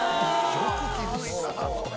よく気付いたなそれ。